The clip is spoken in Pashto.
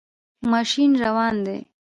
ماشین روان دی